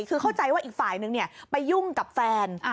คือเข้าใจว่าอีกฝ่ายนึงไปยุ่งกับแฟน